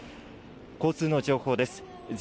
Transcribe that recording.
交通の情報です。